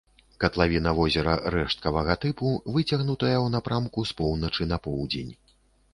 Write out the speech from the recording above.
Катлавіна возера рэшткавага тыпу, выцягнутая ў напрамку з поўначы на поўдзень.